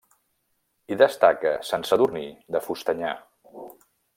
Hi destaca Sant Sadurní de Fustanyà.